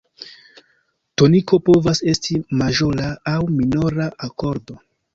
Toniko povas esti maĵora aŭ minora akordo.